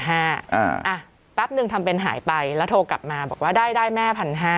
แป๊บนึงทำเป็นหายไปแล้วโทรกลับมาบอกว่าได้แม่๑๕๐๐